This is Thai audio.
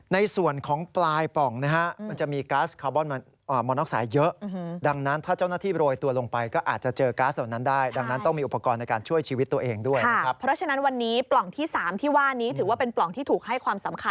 ในส่วนของปลายปล่องนะฮะมันจะมีฮมีกาสโคบอนค